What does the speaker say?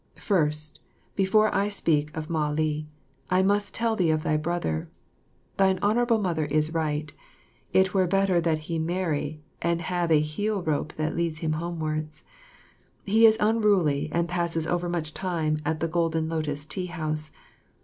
First, before I speak or Mah li, I must tell thee of thy brother. Thine Honourable Mother is right it were better that he marry and have a heel rope that leads him homewards. He is unruly and passes overmuch time at the Golden Lotus Tea house.